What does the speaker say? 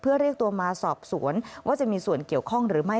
เพื่อเรียกตัวมาสอบสวนว่าจะมีส่วนเกี่ยวข้องหรือไม่